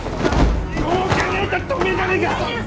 どう考えたっておめえじゃねえか